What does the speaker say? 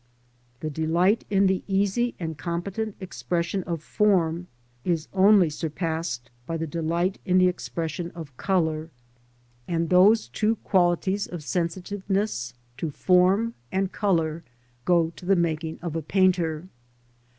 The delight in the easy and competent expression of form is only surpassed by the delight in the expression of 28 LANDSCAPE PAINTING IN OIL COLOUR. colour, and those two qualities of sensitiveness to form and colour go to the making of a painter.